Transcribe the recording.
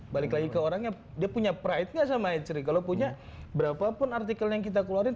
balik lagi ke orangnya dia punya pride gak sama heathery kalau punya berapapun artikel yang kita keluarin